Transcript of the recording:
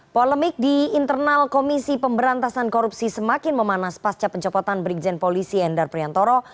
polemik di internal komisi pemberantasan korupsi semakin memanas pasca pencopotan brigjen polisi endar priantoro